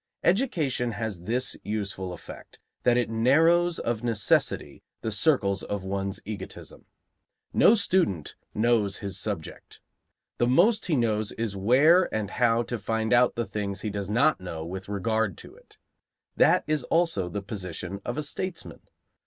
Education has this useful effect, that it narrows of necessity the circles of one's egotism. No student knows his subject. The most he knows is where and how to find out the things he does not know with regard to it. That is also the position of a statesman.